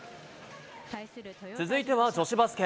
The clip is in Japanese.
続いては女子バスケ。